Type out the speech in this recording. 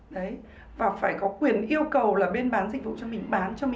rất ít chủ nhà yêu cầu giấy khám sức khỏe